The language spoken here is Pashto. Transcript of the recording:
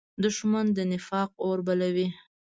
دښمن د نفاق اور بلوي